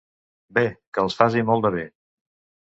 Bé, que els faci molt de bé!